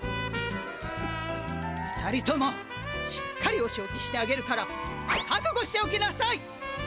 ２人ともしっかりおしおきしてあげるからかくごしておきなさい！